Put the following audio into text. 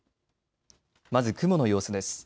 まず雲の様子です。